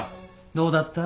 どうだった？